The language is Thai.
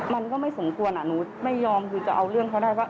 มันก็ไม่สมควรหนูไม่ยอมคือจะเอาเรื่องเขาได้ว่า